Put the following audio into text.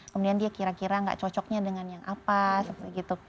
kemudian dia kira kira nggak cocoknya dengan yang apa seperti gitu